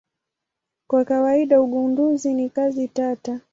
Kwa kawaida ugunduzi ni kazi tata.